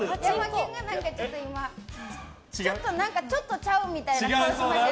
今、ちょっとちゃうみたいな顔しました。